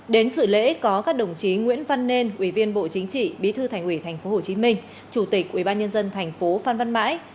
đến sự lễ có các đồng chí nguyễn văn nên ủy viên bộ chính trị bí thư thành ủy thành phố hồ chí minh chủ tịch ủy ban nhân dân thành phố phan văn mãi